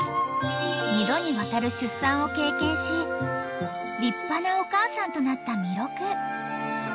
［２度にわたる出産を経験し立派なお母さんとなったみろく］